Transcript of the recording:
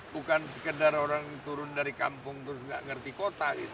bukan sekedar orang turun dari kampung terus nggak ngerti kota gitu